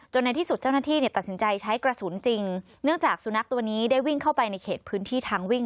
ในที่สุดเจ้าหน้าที่ตัดสินใจใช้กระสุนจริงเนื่องจากสุนัขตัวนี้ได้วิ่งเข้าไปในเขตพื้นที่ทางวิ่ง